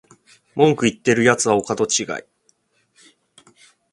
文句言ってるやつはお門違い